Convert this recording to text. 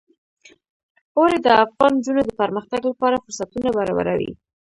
اوړي د افغان نجونو د پرمختګ لپاره فرصتونه برابروي.